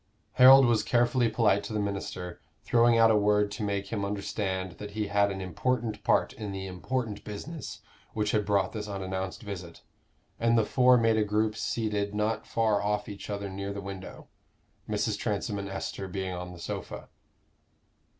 Harold was carefully polite to the minister, throwing out a word to make him understand that he had an important part in the important business which had brought this unannounced visit; and the four made a group seated not far off each other near the window, Mrs. Transome and Esther being on the sofa.